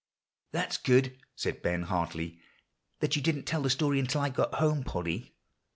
"That's good," said Ben heartily, "that you didn't tell that story until I got home, Polly."